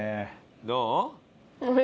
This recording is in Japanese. どう？